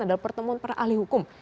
adalah pertemuan para ahli hukum